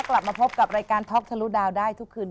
กลับมาพบกับรายการท็อกทะลุดาวได้ทุกคืน